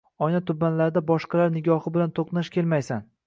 Oyna tublarida boshqalar nigohi bilan to’qnash kelmaysan.